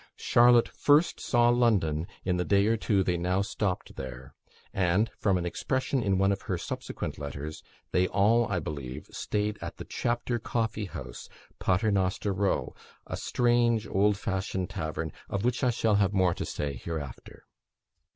Charlotte first saw London in the day or two they now stopped there; and, from an expression in one of her subsequent letters, they all, I believe, stayed at the Chapter Coffee House, Paternoster Row a strange, old fashioned tavern, of which I shall have more to say hereafter.